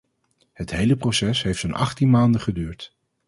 Het hele proces heeft zo'n achttien maanden geduurd.